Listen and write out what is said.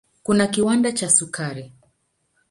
Kuna kiwanda cha sukari.